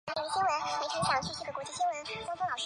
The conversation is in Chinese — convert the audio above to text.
该碑现存平乡县丰州镇平安公园内。